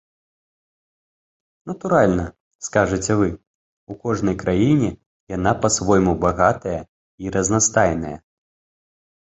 Натуральна, скажаце вы, у кожнай краіне яна па-свойму багатая і разнастайная.